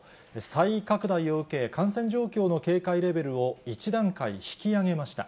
再拡大を受け、感染状況の警戒レベルを１段階引き上げました。